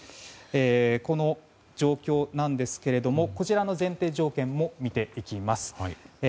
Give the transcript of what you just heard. この状況なんですけれどもこちらの前提条件も見ていきます。